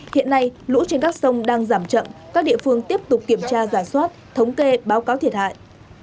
hiện nay lũ trên các sông đang giảm chậm các địa phương tiếp tục kiểm tra giả soát thống kê báo cáo thiệt hại